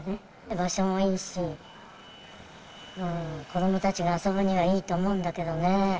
場所もいいし、子どもたちが遊ぶにはいいと思うんだけどね。